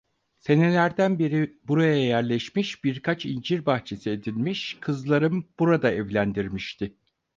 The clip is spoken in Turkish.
Senelerden beri buraya yerleşmiş, birkaç incir bahçesi edinmiş, kızlarım burada evlendirmişti.